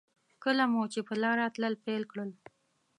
کله مو چې په لاره تلل پیل کړل.